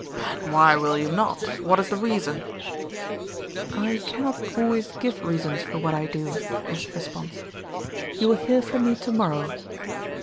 "But why will you not? What is the reason?" "I cannot always give reasons for what I do," was the response. "You will hear from me to morrow."